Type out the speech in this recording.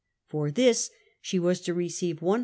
For this she was to receive 100,000